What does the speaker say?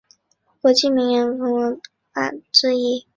国际名人录封为亚洲五百大领导者之一。